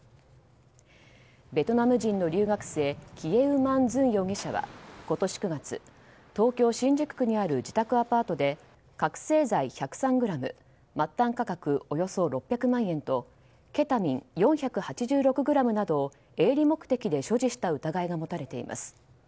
ベトナム人の留学生キエウ・マン・ズン容疑者は今年９月、東京・新宿区にある自宅アパートで覚醒剤１０３ｇ末端価格およそ６００万円とケタミン４８６ｇなどを営利目的で所持した疑いが持たれています。